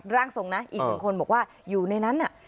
ร่างทรงนะอีกหนึ่งคนบอกว่าอยู่ในนั้นน่ะ